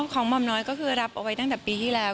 หม่อมน้อยก็คือรับเอาไว้ตั้งแต่ปีที่แล้ว